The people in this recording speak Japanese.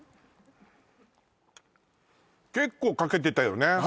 結構かけてたよね